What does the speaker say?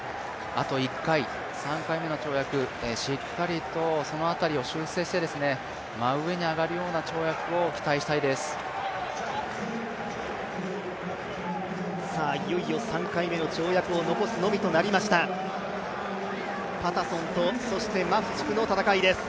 あと１回、３回目の跳躍しっかいｒとそのあたりを修正して真上に上がるような跳躍を期待したいです。